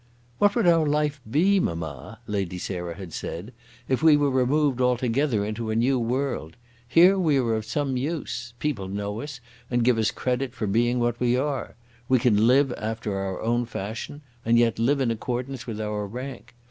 "What would our life be, mamma," Lady Sarah had said, "if we were removed altogether into a new world. Here we are of some use. People know us, and give us credit for being what we are. We can live after our own fashion, and yet live in accordance with our rank.